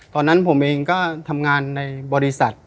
ตอนนั้นผมเองก็ทำงานในบริษัท